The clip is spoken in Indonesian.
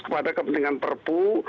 kepada kepentingan perpu